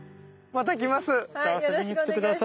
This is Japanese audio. また遊びに来て下さい。